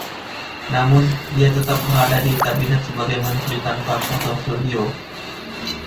Namun, dia tetap berada di kabinet sebagai menteri tanpa portofolio.